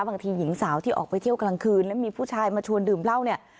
หญิงสาวที่ออกไปเที่ยวกลางคืนแล้วมีผู้ชายมาชวนดื่มเหล้าเนี่ย